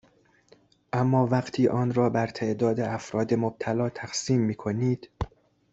اما وقتی آن را بر تعداد افراد مبتلا تقسیم میکنید